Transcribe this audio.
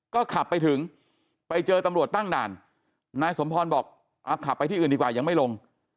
ก็ขับไปถึงไปเจอตำรวจตั้งด่านนายสมพรบอกขับไปที่อื่นดีกว่ายังไม่ลง